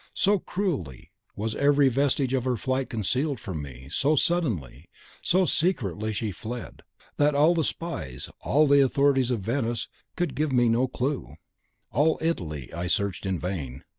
So cruelly was every vestige of her flight concealed from me, so suddenly, so secretly had she fled, that all the spies, all the authorities of Venice, could give me no clew. All Italy I searched in vain!